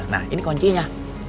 nah ini kuncinya